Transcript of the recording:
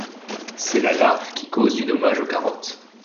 C'est la larve qui cause du dommage aux carottes.